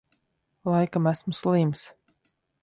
Laikam esmu slims.